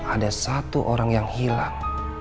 ada satu orang yang hilang